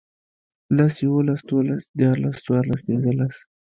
لس، يوولس، دوولس، ديارلس، څوارلس، پينځلس